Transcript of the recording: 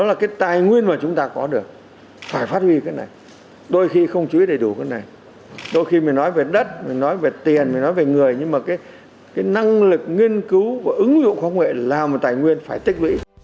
mình nói về đất mình nói về tiền mình nói về người nhưng mà cái năng lực nghiên cứu và ứng dụng không hề làm mà tài nguyên phải tích lũy